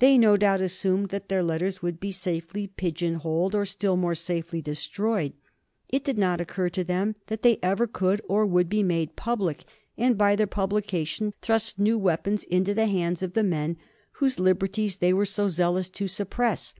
They no doubt assumed that their letters would be safely pigeon holed, or still more safely destroyed. It did not occur to them that they ever could or would be made public, and by their publication thrust new weapons into the hands of the men whose liberties they were so zealous to suppress.